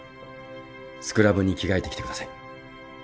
スクラブに着替えてきてください。